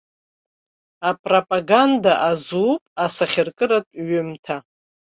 Апропаганда азууп асахьаркыратә ҩымҭа.